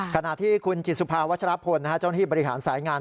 ขณะที่คุณจิตสุภาวัชรพลเจ้าหน้าที่บริหารสายงาน